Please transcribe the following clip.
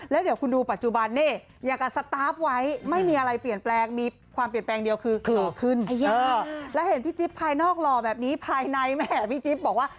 แล้วเห็นพี่จิ๊บภายนอกหล่อแบบนี้ภายในแม่พี่จิ๊บบอกว่า